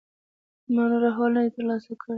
ما نور احوال نه دی ترلاسه کړی.